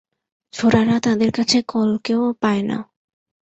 ছোঁড়ারা তাদের কাছে কলকেও পায় না।